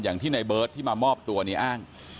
อย่างที่ในเบิร์ตที่มามอบตัวนี้อ้าง